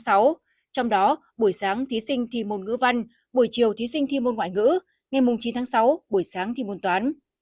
trong đó buổi sáng thí sinh thi môn ngữ văn buổi chiều thí sinh thi môn ngoại ngữ ngày chín tháng sáu buổi sáng thi môn toán